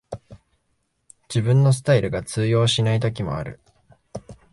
自分のスタイルが通用しない時もある